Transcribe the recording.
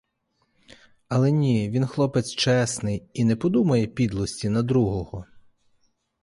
Але ні, він хлопець чесний і не подумає підлості на другого.